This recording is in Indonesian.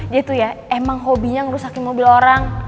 dia tuh ya emang hobinya ngerusakin mobil orang